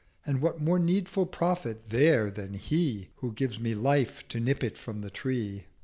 And what more needful Prophet there than He Who gives me Life to nip it from the Tree?'